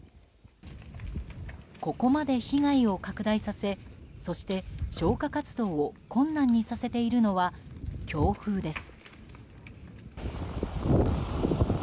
ここまで被害を拡大させそして、消火活動を困難にさせているのは強風です。